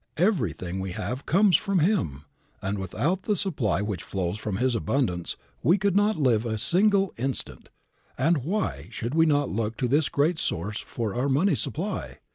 Everything we have comes from Him, and without the supply which flows from His abundance we could not live a single instant, and why should we not look to this great Source for our money supply?